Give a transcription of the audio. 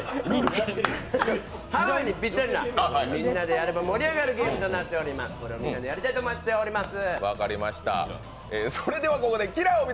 ハロウィーンにぴったりな、みんなでやれば盛り上がるゲームになっております、これをみんなでやりたいと思ってます。